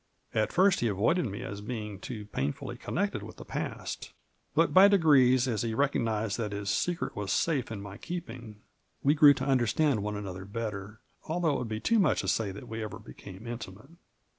At first he avoided me as being too painfully connected with the past, but by de grees, as he recognized that his secret was safe in my keeping, we grew to understand one another better, al though it would be too much to say that we ever became intimate.